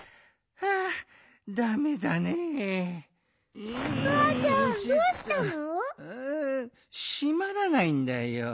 ああしまらないんだよ。